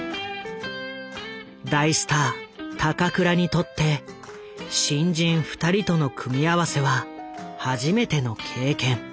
大スター高倉にとって新人２人との組み合わせは初めての経験。